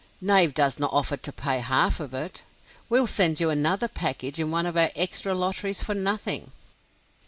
Knave does not offer to pay half of it. "Will send you another package in one of our extra lotteries for nothing!"